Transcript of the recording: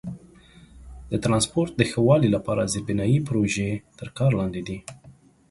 د ترانسپورت د ښه والي لپاره زیربنایي پروژې تر کار لاندې دي.